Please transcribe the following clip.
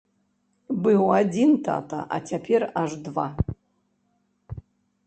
Быў адзін тата, а цяпер аж два!